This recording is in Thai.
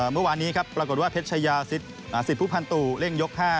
เมื่อวานนี้ปรากฏว่าเพชรชายาสิทธิ์ภูพันธุเร่งยก๕